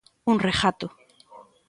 Un regato.